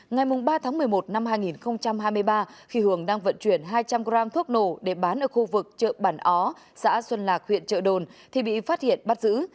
ngày ba một mươi một hai nghìn hai mươi ba khi hưởng đang vận chuyển hai trăm linh g thuốc nổ để bán ở khu vực chợ bản ó xã xuân lạc huyện chợ đồn thì bị phát hiện bắt giữ